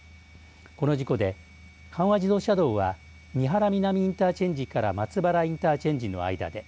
この事故で、阪和自動車道は美原南インターチェンジから松原インターチェンジの間で。